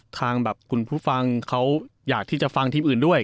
ทางแบบคุณผู้ฟังเขาอยากที่จะฟังทีมอื่นด้วย